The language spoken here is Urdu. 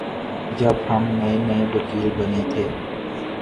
جب ہم نئے نئے وکیل بنے تھے